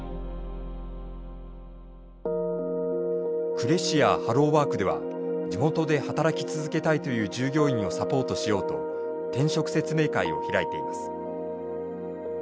呉市やハローワークでは地元で働き続けたいという従業員をサポートしようと転職説明会を開いています。